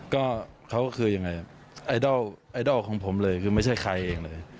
ก็เขาก็คือยังไงไอดอลไอดอลของผมเลยคือไม่ใช่ใครเองเลย